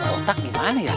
menurut otak gimana ya